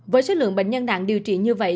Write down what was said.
với số lượng bệnh nhân nặng điều trị như vậy